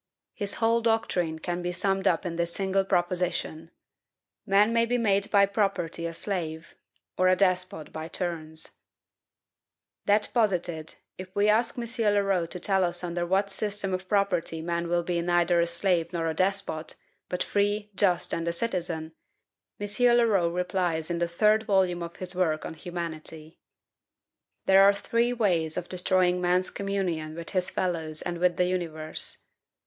His whole doctrine can be summed up in this single proposition, Man may be made by property a slave or a despot by turns. That posited, if we ask M. Leroux to tell us under what system of property man will be neither a slave nor a despot, but free, just, and a citizen, M. Leroux replies in the third volume of his work on "Humanity:" "There are three ways of destroying man's communion with his fellows and with the universe